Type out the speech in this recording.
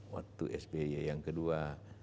waktu spy yang kedua